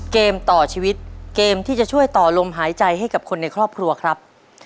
เกมต่อชีวิตเกมที่จะช่วยต่อลมหายใจให้กับคนในครอบครัวครับ